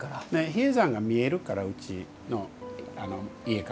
比叡山が見えるからうちの家から。